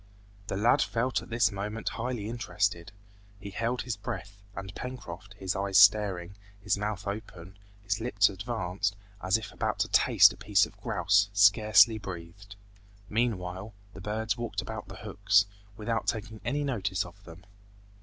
The lad felt at this moment highly interested. He held his breath, and Pencroft, his eyes staring, his mouth open, his lips advanced, as if about to taste a piece of grouse, scarcely breathed. Meanwhile, the birds walked about the hooks, without taking any notice of them.